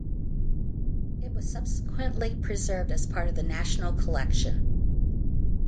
It was subsequently preserved as part of the National Collection.